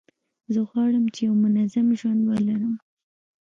زه غواړم چي یو منظم ژوند ولرم.